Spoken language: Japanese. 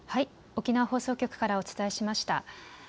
沖縄放送局からお伝えしました。